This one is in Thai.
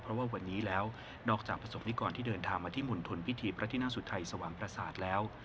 เพราะว่าวันนี้แล้วนอกจากประสบนิกรที่เดินทางมาที่มณฑลพิธีพระที่นั่งสุทัยสวรรค์ประสาทแล้ว